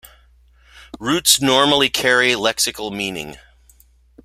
Roots normally carry lexical meaning.